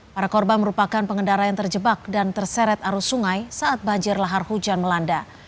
para korban merupakan pengendara yang terjebak dan terseret arus sungai saat banjir lahar hujan melanda